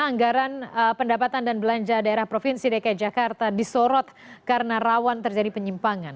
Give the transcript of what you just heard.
anggaran pendapatan dan belanja daerah provinsi dki jakarta disorot karena rawan terjadi penyimpangan